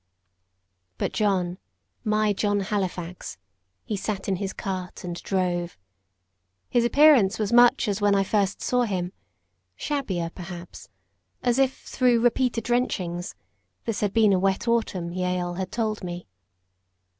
But John my John Halifax he sat in his cart, and drove. His appearance was much as when I first saw him shabbier, perhaps, as if through repeated drenchings; this had been a wet autumn, Jael had told me.